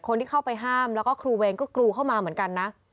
คนที่เข้าไปห้ามแล้วก็ครูเวรก็กรูเข้ามาเหมือนกันนะ